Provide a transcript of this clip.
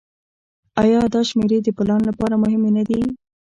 آیا دا شمیرې د پلان لپاره مهمې نه دي؟